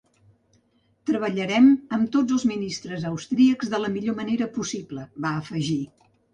Treballarem amb tots els ministres austríacs de la millor manera possible, va afegir.